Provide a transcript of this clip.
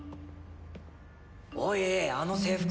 おいあの制服。